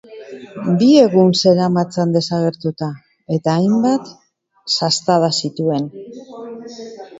Bi egun zeramatzan desagertuta, eta hainbat sastada zituen.